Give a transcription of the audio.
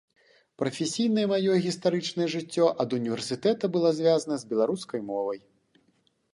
Прафесійнае маё гістарычнае жыццё ад універсітэта было звязана з беларускай мовай.